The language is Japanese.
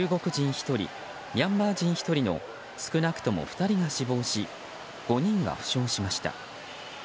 １人、ミャンマー人１人の少なくとも２人が死亡し５人が負傷しました。